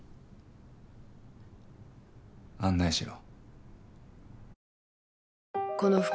案内しろ。